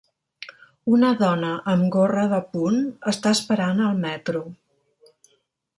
Una dona amb gorra de punt està esperant al metro.